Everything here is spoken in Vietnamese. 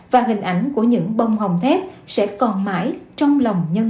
và hình ảnh của những bóng hồng công an